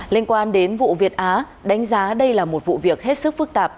liên quan đến vụ việt á đánh giá đây là một vụ việc hết sức phức tạp